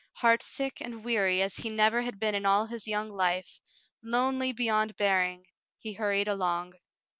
Heartsick and weary as he never had been in all his young life, lonely beyond bearing, he hurried along.